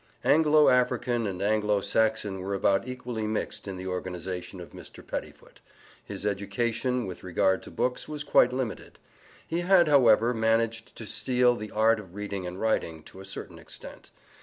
Anglo African and Anglo Saxon were about equally mixed in the organization of Mr. Pettifoot. His education, with regard to books, was quite limited. He had, however, managed to steal the art of reading and writing, to a certain extent.